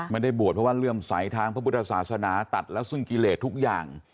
ไม่ได้บวชเพราะว่าเลื่อมใสทางพระพุทธศาสนาตัดแล้วซึ่งกิเลสทุกอย่าง